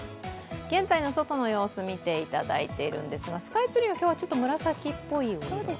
現在の外の様子、見ていただいているんですがスカイツリーは今日は紫っぽいお色。